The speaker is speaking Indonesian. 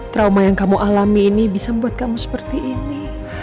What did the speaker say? trauma yang kamu alami ini bisa membuat kamu seperti ini